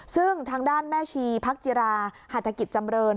ซึ่งทางด้านแม่ชีพักจิราหัฐกิจจำเริน